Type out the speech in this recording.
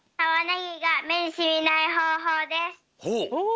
ほう！